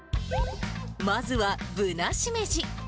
まずはぶなしめじ。